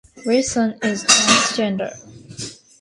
Wilson is transgender.